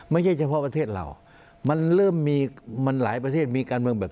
ไม่ใช่เฉพาะประเทศเรามันเริ่มมี